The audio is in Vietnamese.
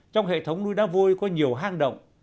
trong hệ thống núi đá vôi có nhiều hang động